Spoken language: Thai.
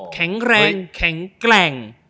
แข็งแรงแข็งแกร่ง